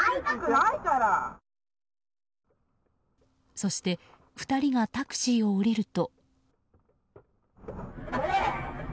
そして２人がタクシーを降りると。